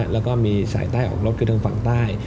แล้วก็มีสายใต้ออกรถคือทางฝั่งใต้